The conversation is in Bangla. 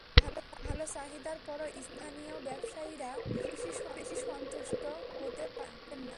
ভালো চাহিদার পরও স্থানীয় ব্যবসায়ীরা খুব বেশি সন্তুষ্ট হতে পারছেন না।